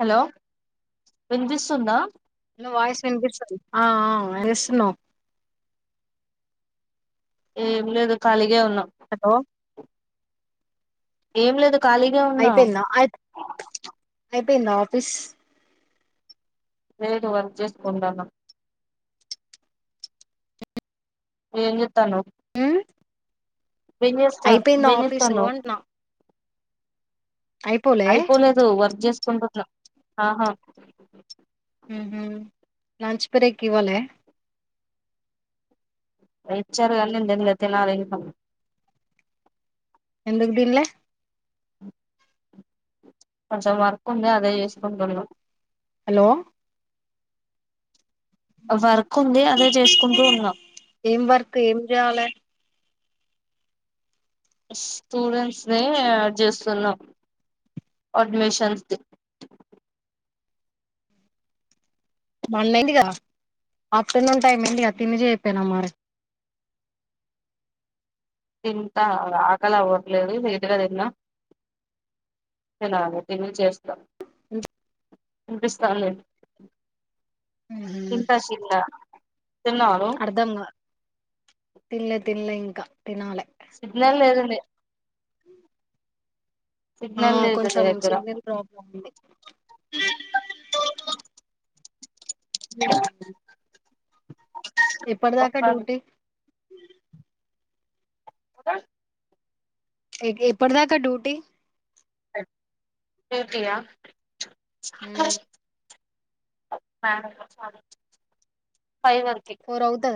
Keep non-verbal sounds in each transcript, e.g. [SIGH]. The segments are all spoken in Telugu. హలో విపిస్తుంద న్న వయిస్ వి స ఆ ఎస్ నో ఏం లేదు కాలీ ఏ ఉన్నా హలో ఏం లేదు ఖాళీగే ఉన్నాం ఐపోయింద అయి పిన్ ఆఫీస్ నేదు వర్క్ చేసుకుంటన ఎమ్ చెతానవ మ్ విన్యస్తన్ వినితానవ్ అంటున్నా అయిపోలే అయిపోలేదు వర్జస్ చెసు కుంటన్నా హా హమ్ లంచ్ బ్రేక్ ఇవాల రచ్చారుగాన్నంట లే తనాలు ఇక ఎంతకు తినాలే కొంచెం మరకు ఉంద అదే యూసికుంటున వెళ్ం హలో వర్ ఏం వర్క్ ఏం చేయాలి స్టూడెంట్స్ డ్ చేస్తున్నాం అడ్మిషన్స్ ది వన్ ఏందిగా ఆఫ్టర్నూన్ టైం ఏందిగా తినిజ అయిపోయినా మరి తింటా ఆకలి అవ్వట్లేదు నదుగా తిన్నా తినాల తిని చేస్తాం హపిస్తాదీ చింతాశీల్ల అర్ధంగా తిల్ల తిల ఇంకా తినాల సిగ్నల్ లేదండి ఆ సిగ్నల్ లేదు నీ కొంచెం దగ్గర సివియల్ ప్రాబ్లమ్ ఉంది ఎప్పుడుదాకా డ్యూటీ పోదా ఇప్పటిదాకా డ్యూటీ కయా ఉమ్ అస్ అ ఫ అవుద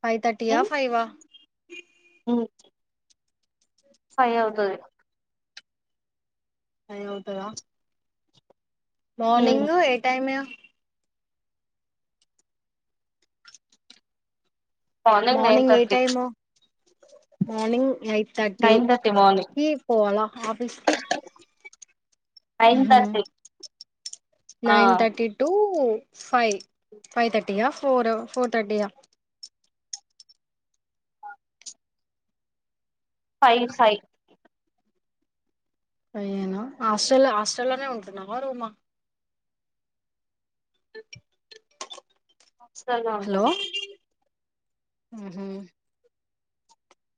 ఫైవ్ థర్టీ ఫైవ్ ఇ అ ఫైయావుతుంది అ అవుతారా మార్నింగ ఏ టైమ్ ఫన న త మార్నింగ్ ఏ దక్ష టైమ్ మార్నింగ్ మై తర్టీ థర్టీ మార్నింగ్ క పోవాలా ఆఫీస్కి నైన్ థర్టీ ఆ nine thirty two five five తర్టీయా ఫోర్ ఫోర్ తర్టీయా ఫైవ్ ఫైవ్ అయ్యేను హాస్టల్ హాస్టల్లోనే ఉంటున్నావా రూమా స్త అంకల్ ఆహా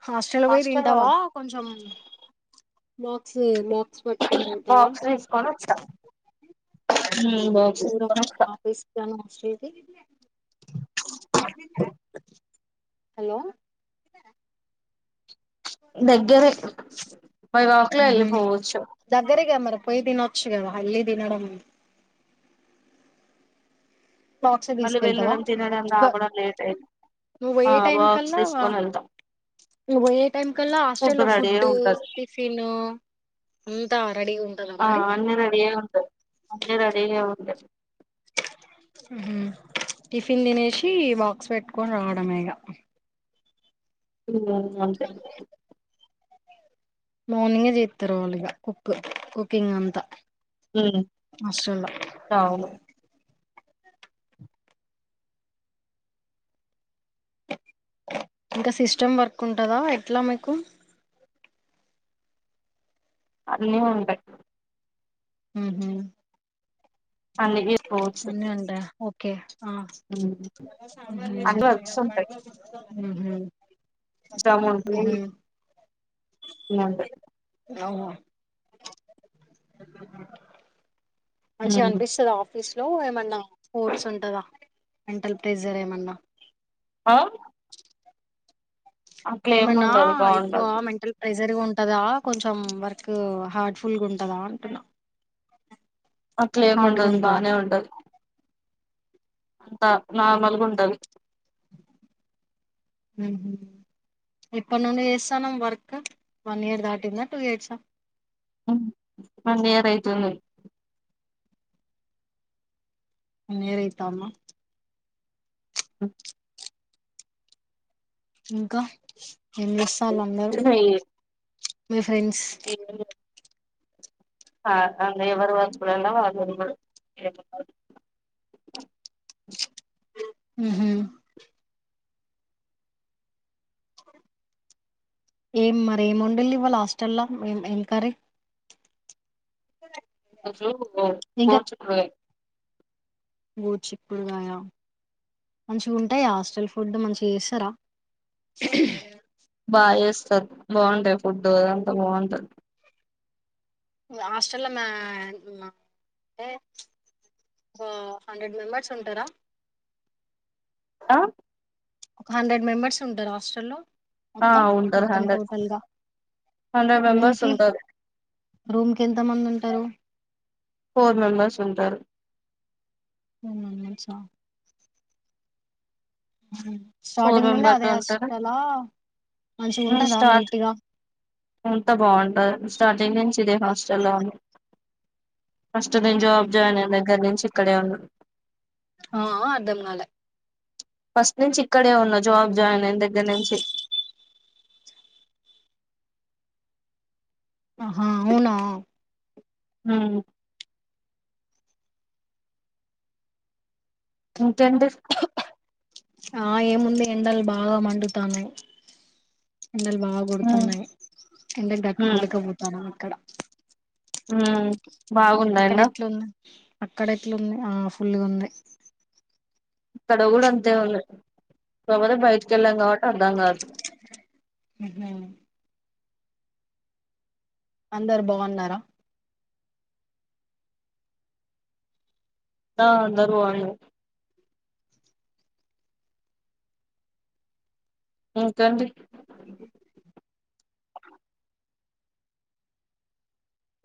హాస్టల్ పోయి హాస్టల్లో తింటావా కొంచెం మార్క్స్ మక్స్ పట్టుకుని తింటావా బాక్స్ బ శ్రీతి ఏ హలో దగ్గరే బైవాక్లో వెళ్ళి పోవచ్చు దగ్గరేగా మరి పోయి తినవచ్చు కదా హల్లి దినడ బాక్స్ మళ్ళీ తీసుకెళ్తావా వెళ్ళడం తినడం రావడం లేట్ అయి నువ్వు ఆ పోయే టైం బాక్స్ కల్లా తీసుకొని వెళ్తాం నువ్ పోయ్యే టైం కల్లా హాస్టల్ లో ఫుడ్ రెడీయే ఉంటది టిఫిన్ రెడీగా ఉంటదా ఆ మరి అన్న రెడీ ఉంది అన్న రెడీ ఉంది టిఫిన్ తినేసి బాక్స్ పెట్టుకొని రావడంేగా ఉ మార్నింగే చేస్తారు వాళ్ళుగా కుక్ కుకింగ్ అంతా హాస్టల్లో అవును ఇంకా సిస్టమ్ వర్క్ ఉంటందా ఎట్లా మీకు అన్నీ ఉంట హహ అన్ని చేసుకోవచ్చు అన్నంటా ఓకే ఆ ఉమ్ అన్ని హ జము ఇంట అవు మంచిగా ఉమ్ అనిపిస్తుంది ఆఫీస్ లో ఏమన్నా స్పోర్ట్స్ ఉంటందా మెంటల్ ప్రెషర్ ఏమన్నా ఆ అట్లేం ఏమన్నా ఉండదు ఎక్కువ బాగుంటది మెంటల్ ప్రై జరిగా ఉంటందా కొంచెం వర్క్ హార్డ్ ఫుల్గా ఉంటందా అంటున్నా అట్లేమ్ హార్డ్గా ఉండదు ఉంటదా బానే ఉంటది అంతా నార్మల్గా ఉంటది మ్ హు ఇప్పటి నుండి చేస్తాన్నం వర్క్ వన్ ఇయర్ దాటిందా టూ ఇయర్సా వన్ ఇయర్ ఐతుంది వన్ ఇయర్ ఐతాందా ఇంకా ఏం చేస్తా ఆళ్లందరు మిఫ్ ట్రెండ్స్ ఆ అ నేవరు వర్క్ [UNINTELLIGIBLE] మ్ హు ఏం మరి ఏం వండాలి ఇవాళ హాస్టల్ల్లో ఏం ఏం కరీ ఈరోజు గోర్ గోరుచిక్కుడు [INAUDIBLE] గోరుచిక్కుడుకాయ మంచిగా ఉంటాయ హాస్టల్ ఫుడ్ మంచిగా చేస్తారా బా చేస్తారు బాగుంటాయి ఫుడ్ అదంతా బాగుంటది హాస్టల్లో మా అంటే ఒ హండ్రెడ్ మెంబర్స్ ఉంటారా ఆ ఒక హండ్రెడ్ మెంబర్స్ ఉంటారా హాస్టల్ లో ఆ మొత్తం ఉంటారు మొత్తం హండ్రెడ్ టోటల్గా హండ్రెడ్ రూమ్ మెంబర్స్ కి ఉంటారు రూమ్ కి ఎంత మంది ఉంటారు. ఫోర్ మెంబెర్స్ ఉంటారు [UNINTELLIGIBLE] మంత్స్ ఆ ఫోర్ స్టార్టింగ్ నుండి మెంబర్స్ అదే ఉంటారు హాస్టల్ లా మంచిగా ఉమ్, వుంటాద స్టార్ట్ నీట్గా అంతా బాగుంటాది స్టార్టింగ్ నుంచి ఇదే హాస్టల్ లో ఉన్ ఫస్ట్ నేను జాబ్ జాయిన్ అయిన దగ్గర నుంచి ఇక్కడే ఉన్నా ఆహా అర్ధం కాలే ఫస్ట్ నుంచి ఇక్కడే ఉన్న జాబ్ జాయిన్ అయిన దగ్గర నుంచి ఆహా అవునా హ ఇకంటిడి ఆ ఏముంది ఎండలు బాగా మండుతాను ఎ బాగా ఉమ్, కొడుతాను ఎ డాక్టర్ కూల పోతా క్కడ ఆ బాగుంద ఎంద ఎట్లుంది అక్కడ ఎట్లుంది ఫుల్గా ఉంది తడగులు అంతే బబ బయటక వెళ్ళంగా అద కాదు అందరు బాగున్నారా అ నరు అ ఉ తండ్రి అ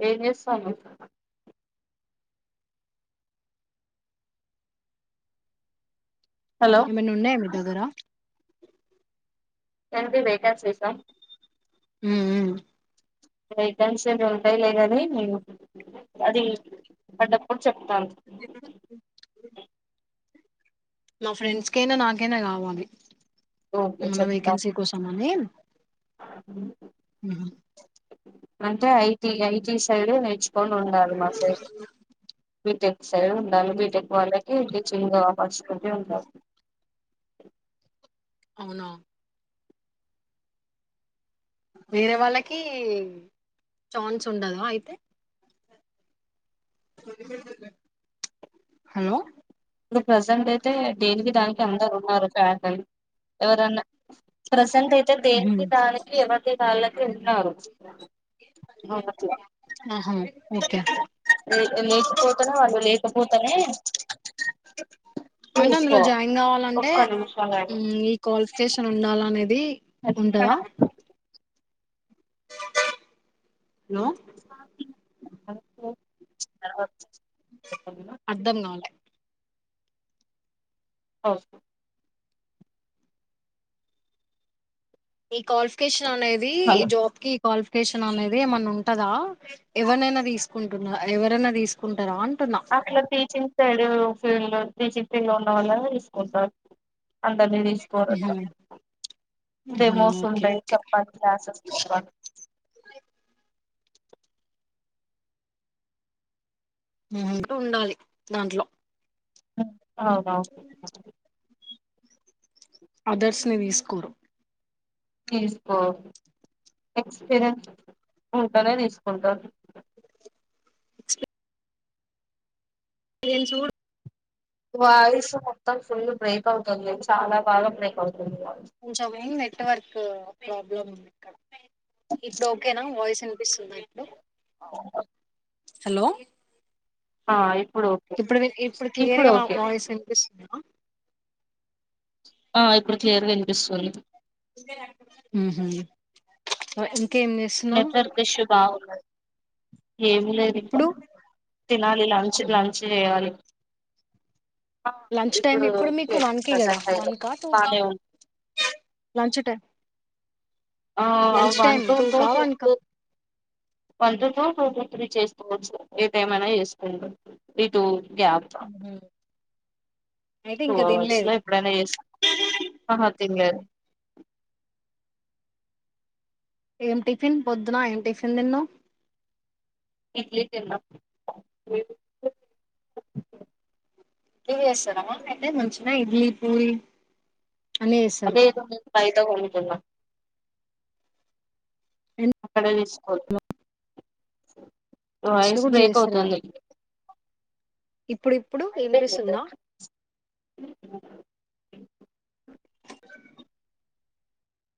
ఏజ సమ హలో ఏమైనా ఉన్నాయా మీ దగ్గర ఎది వెయిట శీసం హ రైటన్స్ ఏ ఉంటాయి లేదది మీ అది అడ చె త మా ఫ్రెండ్స్కైనా నాకైనా కావాలి ఓకే మన్న చెప్తా వేకెన్సీ కోసంని అ అంటే ఐటీ ఐటీ సైడ్ నేర్చుకొని ఉండాలి మా సైడ్ వ సరే ఉండాలి బీటెక్ వాళ్ళకి ఇ చిన్గా వాపర్స్ కజే ఉంద అవునా వేరే వాళ్ళకి ఛాన్స్ ఉండదా అయితే హలో ఇప్పుడు ప్రజెంట్ అయితే దేనికి దానికి అందరు ఉన్నారు ఫ్యాటల్ ఎవరన్నా ప్రసెంట్ అయితే ఉమ్, దేనికి దానికి యువత వాళ్ళకి ఉన్నారు ఆహా ఓకే లేకపోతేనే వాళ్ళు లేకపోతేనే అంటే అందులో చూసుకో జాయిన్ కావాలంటే ఒక్క నిమిషం ఆగు. ఈ క్వాలిఫికేషన్ ఉండాల అనేది ఉండదా హలో [INAUDIBLE] అర్ధం కాలె ఓకే ఈ క్వాలిఫికేషన్ అనేది హలో జాబ్ కి క్వాలిఫికేషన్ అనేది ఏమన్నా ఉంటదా, ఎవరినైనా తీసుకుంటున్న ఎవరైనా తీసుకుంటారా అంటున్నా అట్లా టీచింగ్ సైడ్ ఫీల్డ్ లో టీచింగ్ [UNINTELLIGIBLE] ఉన్న వాళ్ళనె తీసుకుంటారు అందరినీ ఉహు, తీసుకొరట్ల అంటే ఉహు, ఓకే [UNINTELLIGIBLE] ఓకే చెప్పాలి క్లాసెస్ మ్మ్ ఉండాలి దాంట్లో అవునవును అదర్స్ ని తీసుకోరు తీసుకో ఎక్స్పీరియన్స్ ఊరకనే తీసుకోరుగా [UNINTELLIGIBLE] చూడు వాయిస్ మొత్తం ఫుల్ బ్రేక్ అవుతుంది. చాలా బాగా బ్రేక్ అవుతుంది. వాయిస్ కొంచమే నెట్వర్క్ ప్రాబ్లం ఉంటది ఇప్పుడు ఓకే నా వాయిస్ వినిపిస్తుంద ఇప్పుడు అవును హలో ఆ ఇప్పుడు ఓకే ఇప్పుడు మీ ఇప్పుడు క్లియర్ గా మా వాయిస్ వినిపిస్ [UNINTELLIGIBLE] ఆ ఇప్పుడు క్లియర్గా వినిపిస్తుంది మ్మ్ హ్మ్ వచ్చి నెట్వర్క్ ఇషూ బాగుందా ఏం లేదు ఇంకా ఇప్పుడు తినాలి లంచ్ లంచ్ చేయాలి లంచ్ టైమ్ ఇప్పుడు మీకు ఓకే వన్ కి కదా. ప్రజెంట్ అయితే వన్ కా, టూ కా బానే ఉంది లంచ్ టైమ్ ఆ లంచ్ వన్ టు టూ కా వన్ కా [INAUDIBLE] చేసుకోవచ్చు ఏదే ఏమైనా చేసుకొండి ఇటు గ్యాప్ అయితే టూ ఇంకా హావర్స్ లో తినలేదు ఎప్పుడైన చేసుకో, అహ తినలేదు ఏం టిఫిన్ పొద్దున ఏం టిఫిన్ తిన్నవ్ ఇడ్లి తిన్నా ఏం చేస్తున్నావు మా [UNINTELLIGIBLE] వచ్చిన ఇడ్లీ, పూరి అన్ని అ చేస్తారు ఫైద కొ [INAUDIBLE] అక్కడ తీసుకోరు హాస్టల్ వాయిస్ కూడా బ్రేక్ చేస్తారు కదా అవుతుంది ఇప్పుడు ఇప్పుడు ఏంటి సన్నా అయిపోయింది